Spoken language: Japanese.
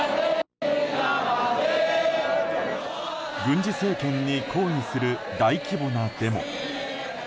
軍事政権に抗議する大規模なデモ。